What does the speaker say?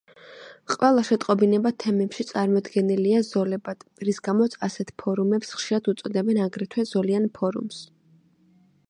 ყველა შეტყობინება თემებში წარმოდგენილია ზოლებად, რის გამოც ასეთ ფორუმებს ხშირად უწოდებენ აგრეთვე, ზოლიან ფორუმს.